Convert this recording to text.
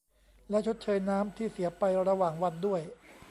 และชดเชยน้ำที่เสียไประหว่างวันด้วย